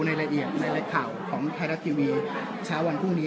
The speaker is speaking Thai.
ในละเอียดในข่าวของไทยรัฐทีวีเช้าวันพรุ่งนี้